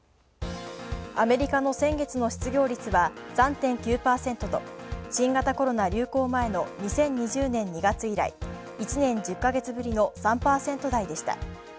アメリカの先月の失業率は３．９％と、新型コロナ流行前の２０２０年２月以来１年１０ヶ月ぶりの３％台でした。